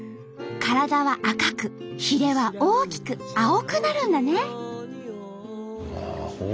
体は赤くひれは大きく青くなるんだね。